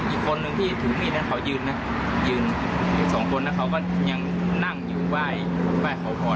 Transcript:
อีกคนหนึ่งที่ถือมีดเขายืนอีกสองคนเขาก็ยังนั่งอยู่ไหว้ขอพร